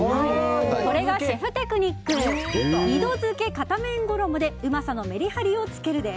これがシェフテクニック２度づけ片面衣でうまさのメリハリをつけるです。